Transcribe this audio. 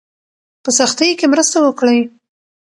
په سختۍ کې مرسته وکړئ.